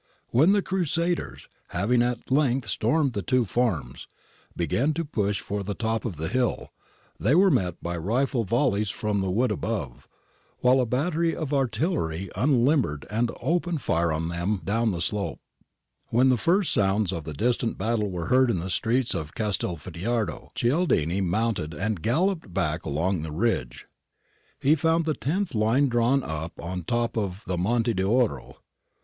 When the crusaders, having at length stormed the two farms, began to push for the top 222 GARIBALDI AND THE MAKING OF ITALY of the hill, they were met by rifle volleys from the wood above, while a battery of artillery unlimbered and opened fire on them down the slope. When the first sounds of the distant battle were heard in the streets of Castelfidardo, Cialdini mounted and galloped back along the ridge. He found the Tenth Line drawn up on the top of the Monte d'Oro.